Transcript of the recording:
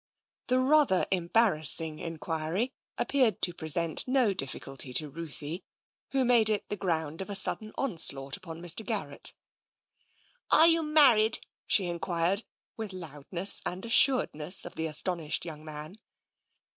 " The rather embarrassing enquiry appeared to pre sent no difficulty to Ruthie, who made it the ground of a sudden onslaught upon Mr. Garrett. "Are you married?" she enquired with loudness and assurance of the astonished young man.